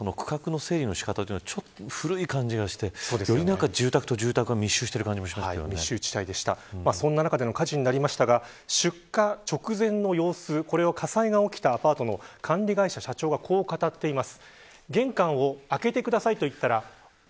今の映像を見ると区画の整理の仕方がちょっと古い感じがしてより住宅と住宅が密集しているそんな中での火事になりましたが出火直前の様子をこれは火災が起きたアパートの管理会社社長がこう語っています。